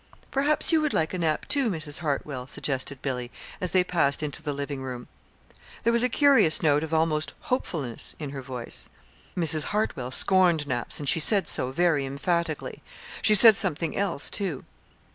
"Perhaps you would like a nap, too, Mrs. Hartwell," suggested Billy, as they passed into the living room. There was a curious note of almost hopefulness in her voice. Mrs. Hartwell scorned naps, and she said so very emphatically. She said something else, too.